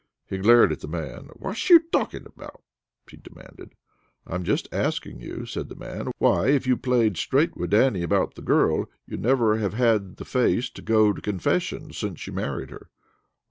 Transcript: He glared at the man. "Whatsh you talkin' about?" he demanded. "I'm just asking you," said the man, "why, if you played straight with Dannie about the girl, you never have had the face to go to confession since you married her."